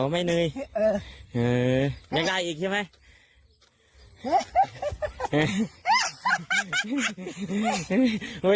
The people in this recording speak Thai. ไม่เหนื่อย